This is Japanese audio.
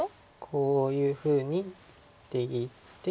こういうふうに出切って。